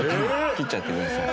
切っちゃってください。